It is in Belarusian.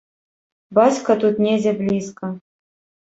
Бацька тут недзе блізка.